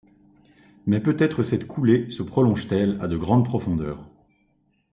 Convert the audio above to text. Mais peut-être cette coulée se prolonge-t-elle à de grandes profondeurs.